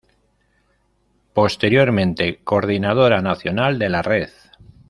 Posteriormente, Coordinadora Nacional de la Red.